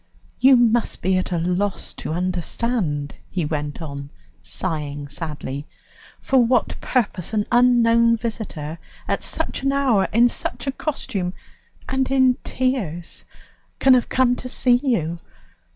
"You must be at a loss to understand," he went on, sighing sadly, "for what purpose an unknown visitor, at such an hour, in such a costume, and in tears, can have come to see you.